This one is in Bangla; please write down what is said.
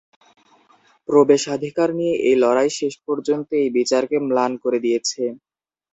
প্রবেশাধিকার নিয়ে এই লড়াই শেষ পর্যন্ত এই বিচারকে ম্লান করে দিয়েছে।